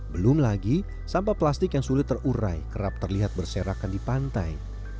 belum lagi sampah plastik yang sulit terurai kerap terlihat berserakan di pantai